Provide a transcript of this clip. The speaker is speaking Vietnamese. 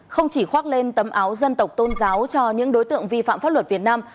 không chỉ khoác lên tấm áo dân tộc tôn giáo cho những đối tượng vi phạm pháp luật việt nam